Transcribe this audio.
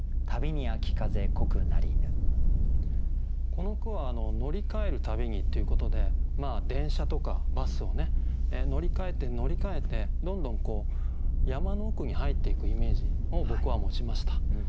この句は「乗り換へるたびに」っていうことで電車とかバスを乗り換えて乗り換えてどんどん山の奥に入っていくイメージを僕は持ちました。